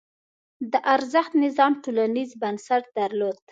د ارزښت نظام ټولنیز بنسټ درلود.